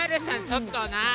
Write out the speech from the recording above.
ちょっとなぁ。